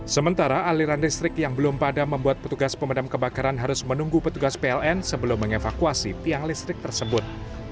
sementara aliran listrik yang belum padam membuat petugas pemadam kebakaran harus menunggu petugas pln sebelum mengevakuasi tiang listrik tersebut